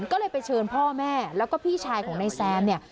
ก็เลยไปเชิญพ่อแม่แล้วก็พี่ชายของนายแซมเนี่ย